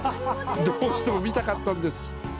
どうしても見たかったんです。